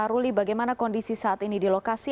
ruli bagaimana kondisi saat ini di lokasi